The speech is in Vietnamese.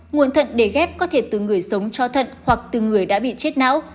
nguồn thận để ghép có thể từ người sống cho thận hoặc từ người đã bị chết não